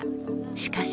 しかし